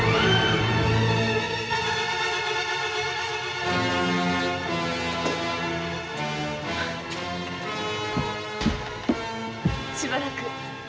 しばらく。